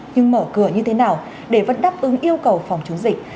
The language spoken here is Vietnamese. nhưng mở cửa như thế nào để vẫn đáp ứng yêu cầu phòng chống dịch